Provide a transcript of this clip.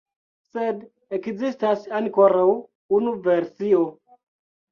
Sed ekzistas ankoraŭ unu versio.